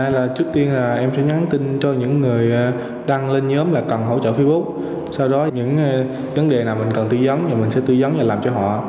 trước tiên em sẽ nhắn tin cho những người đang lên nhóm là cần hỗ trợ facebook sau đó những vấn đề nào mình cần tư dấn mình sẽ tư dấn và làm cho họ